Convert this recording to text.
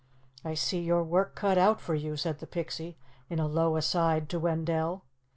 "I see your work cut out for you," said the Pixie in a low aside to Wendell.